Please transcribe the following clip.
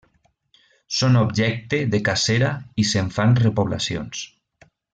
Són objecte de cacera i se'n fan repoblacions.